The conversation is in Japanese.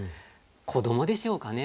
子どもでしょうかね？